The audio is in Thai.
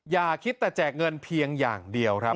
อย่าคิดแต่แจกเงินเพียงอย่างเดียวครับ